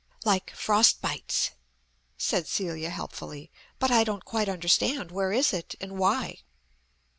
"Like 'Frostbites,'" said Celia helpfully. "But I don't quite understand. Where is it, and why?"